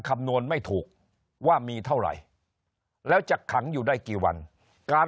คำนวณไม่ถูกว่ามีเท่าไหร่แล้วจะขังอยู่ได้กี่วันการ